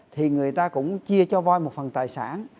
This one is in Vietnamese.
thì người ta cũng chia cho voi một phần tài sản